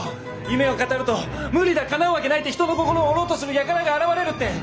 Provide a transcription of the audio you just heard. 「夢を語ると『無理だ。かなうわけない』って人の心を折ろうとする輩が現れる」って！